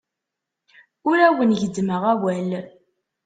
Ur awen-gezzmeɣ awal.